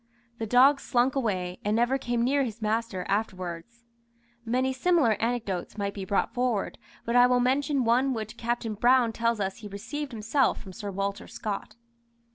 The dog slunk away, and never came near his master afterwards. Many similar anecdotes might be brought forward, but I will mention one which Captain Brown tells us he received himself from Sir Walter Scott.